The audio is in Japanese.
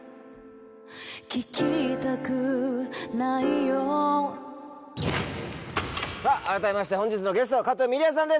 聞きたくないよさぁ改めまして本日のゲストは加藤ミリヤさんです。